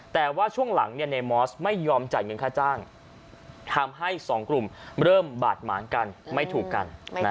แต่ว่าช่วงหลังในมอสไม่ยอมจ่ายเงินค่าจ้างทำให้สองกลุ่มเริ่มบาดหมางกันไม่ถูกกัน